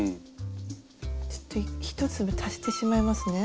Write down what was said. ちょっと１粒足してしまいますね。